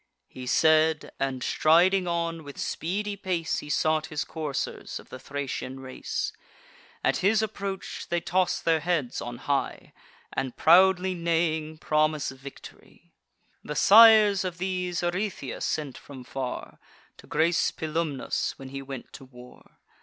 He said, and striding on, with speedy pace, He sought his coursers of the Thracian race. At his approach they toss their heads on high, And, proudly neighing, promise victory. The sires of these Orythia sent from far, To grace Pilumnus, when he went to war.